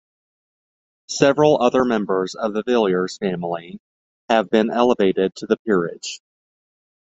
Several other members of the Villiers family have been elevated to the peerage.